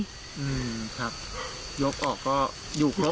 อืมครับยกออกก็อยู่ครบ